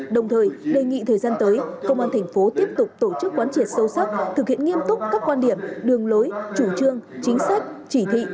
đồng thời đề nghị thời gian tới công an thành phố tiếp tục tổ chức quán triệt sâu sắc thực hiện nghiêm túc các quan điểm đường lối chủ trương chính sách chỉ thị